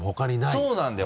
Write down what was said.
そうなんだよ！